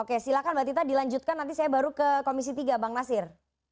oke silakan mbak tita dilanjutkan nanti saya baru ke komisi tiga bang nasir